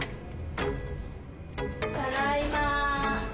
ただいま！